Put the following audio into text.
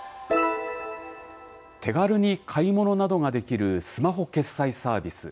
手軽に買い物などができるスマホ決済サービス。